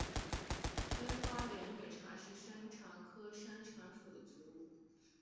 微花连蕊茶是山茶科山茶属的植物。